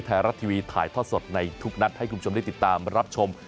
ไทยรัฐทีวีถ่ายทอดสดในทุกนัดให้คุณผู้ชมได้ติดตามรับชม